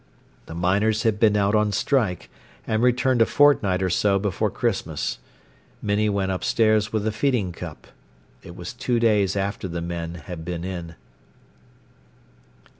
The miners had been out on strike, and returned a fortnight or so before Christmas. Minnie went upstairs with the feeding cup. It was two days after the men had been in.